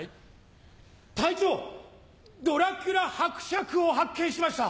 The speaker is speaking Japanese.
隊長ドラキュラ伯爵を発見しました！